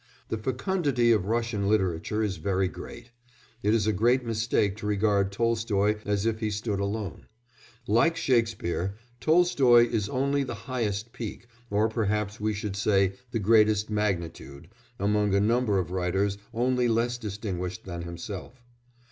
The fecundity of Russian literature is very great; it is a great mistake to regard Tolstoy as if he stood alone; like Shakespeare, Tolstoy is only the highest peak, or perhaps we should say the greatest magnitude, among a number of writers only less distinguished than himself.